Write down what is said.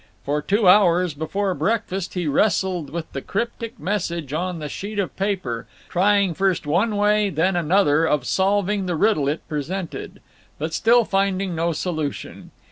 For two hours before breakfast he wrestled with the cryptic message on the sheet of paper, trying first one way and then another of solving the riddle it presented, but still finding no solution.